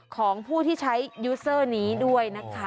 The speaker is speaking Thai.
ของผู้ที่ใช้ยูเซอร์นี้ด้วยนะคะ